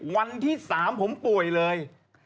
วันที่๓ผมป่วยเลย